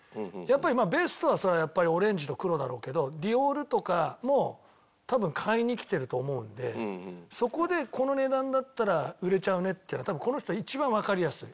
ベストはそれはやっぱりオレンジと黒だろうけどディオールとかも多分買いに来てると思うんでそこでこの値段だったら売れちゃうねっていうのは多分この人は一番わかりやすい。